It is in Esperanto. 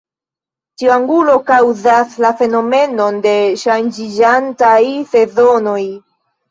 Tiu angulo kaŭzas la fenomenon de ŝanĝiĝantaj sezonoj.